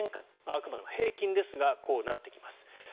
あくまでも平均ですがこうなってきます。